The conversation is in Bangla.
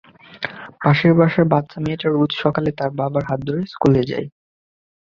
পাশের বাসার বাচ্চা মেয়েটা রোজ সকালে তার বাবার হাত ধরে স্কুলে যায়।